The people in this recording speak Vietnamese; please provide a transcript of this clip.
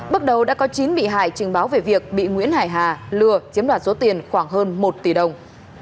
bước đầu đã có chín bị hại trình báo về việc bị nguyễn hải hà lừa chiếm đoạt số tiền khoảng hơn một tỷ đồng